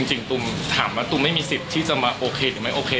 จริงตุ้มถามว่าตุมไม่มีสิทธิ์ที่จะมาโอเคหรือไม่โอเค